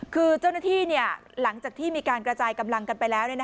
คือเจ้าหน้าที่หลังจากที่มีการกระจายกำลังกันไปแล้ว